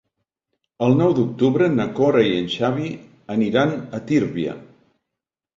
El nou d'octubre na Cora i en Xavi aniran a Tírvia.